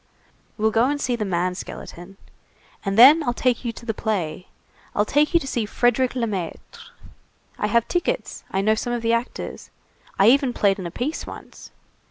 We'll go and see the man skeleton. And then I'll take you to the play. I'll take you to see Frédérick Lemaître. I have tickets, I know some of the actors, I even played in a piece once.